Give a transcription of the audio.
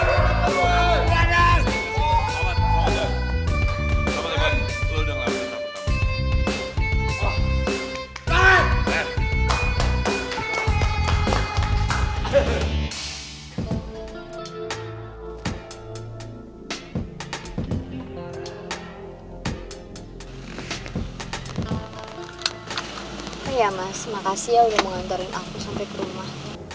oh iya mas makasih ya lo mengantarin aku sampai ke rumah